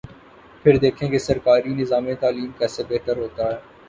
پھر دیکھیں کہ سرکاری نظام تعلیم کیسے بہتر ہوتا ہے۔